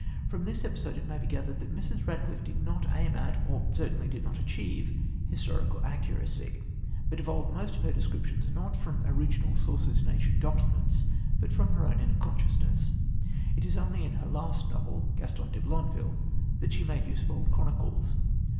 From this episode it may be gathered that Mrs. Radcliffe did not aim at, or certainly did not achieve, historical accuracy, but evolved most of her descriptions, not from original sources in ancient documents, but from her own inner consciousness. It was only in her last novel Gaston de Blondeville that she made use of old chronicles.